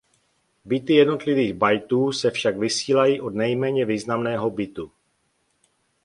Bity jednotlivých bytů se však vysílají od nejméně významného bitu.